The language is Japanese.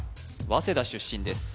早稲田出身です